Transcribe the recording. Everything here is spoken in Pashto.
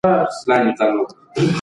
د کیفیت څارنه ضروري ده.